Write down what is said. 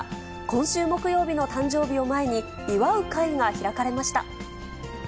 今週木曜日の誕生日を前に、祝う会が開かれました。